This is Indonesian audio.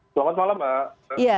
selamat malam mbak